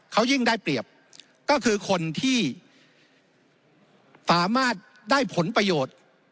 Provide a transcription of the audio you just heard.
เขายิ่งได้เปรียบก็คือคนที่สามารถได้ผลประโยชน์